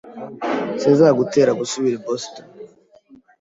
Sinzagutera gusubira i Boston.